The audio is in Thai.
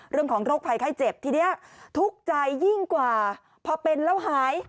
โรคภัยไข้เจ็บทีนี้ทุกข์ใจยิ่งกว่าพอเป็นแล้วหาย